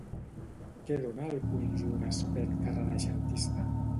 Què dóna al conjunt aspecte renaixentista?